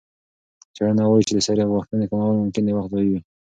څېړنه وايي چې د سرې غوښې کمول ممکن د وخت ضایع وي.